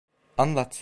Anlat.